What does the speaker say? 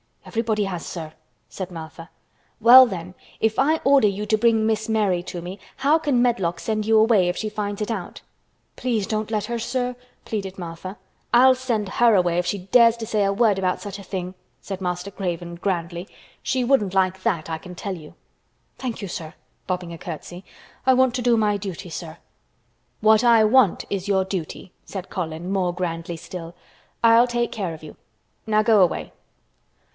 "Everybody has, sir," said Martha. "Well, then, if I order you to bring Miss Mary to me, how can Medlock send you away if she finds it out?" "Please don't let her, sir," pleaded Martha. "I'll send her away if she dares to say a word about such a thing," said Master Craven grandly. "She wouldn't like that, I can tell you." "Thank you, sir," bobbing a curtsy, "I want to do my duty, sir." "What I want is your duty" said Colin more grandly still. "I'll take care of you. Now go away."